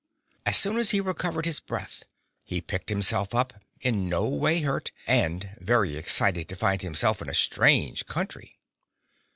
As soon as he recovered his breath, he picked himself up, in no way hurt, and very excited to find himself in a strange country.